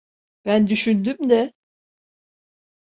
Ben düşündüm de…